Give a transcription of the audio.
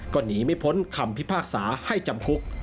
ก็หนีไม่พ้นคำพิพากษาให้จำคุก